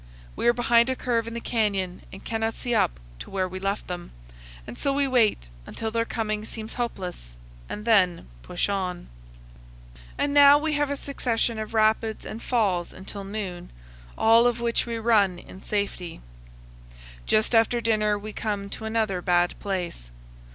We are behind a curve in the canyon and cannot see up to where we left them, and so we wait until their coming seems hopeless, and then push on. And now we have a succession of rapids and falls until noon, all of which we run in safety. Just after dinner we come to another bad place.